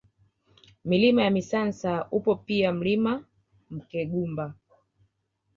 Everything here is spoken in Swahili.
Milima ya Misansa upo pia Mlima Mkegumba